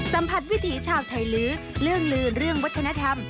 สัมผัสวิถีชาวไทยลื้อเรื่องลืนเรื่องวัฒนธรรม